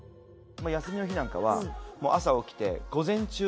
休みの日なんかは朝起きてできんの？